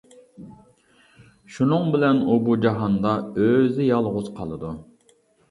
شۇنىڭ بىلەن ئۇ بۇ جاھاندا ئۆزى يالغۇز قالىدۇ.